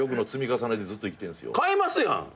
買えますやん！？